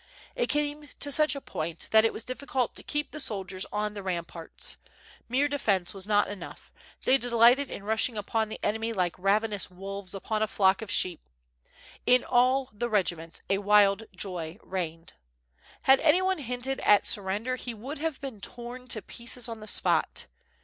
It came to such a point that it was difficult to keep the soldiers on the ramparts; mere defense was not enough, they delighted in rushing upon the enemy like ravenous wolves upon a flock of sheep. In all the regiments a wild joy reigned. Had any one hinted at sur render he would have been torn to pieces on the spot.